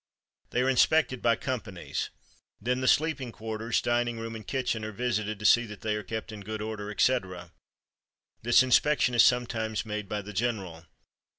They are inspected by companies. Then the sleeping quarters, dining room, and kitchen are visited to see that they are kept in good order, etc. This inspection is sometimes made by the general.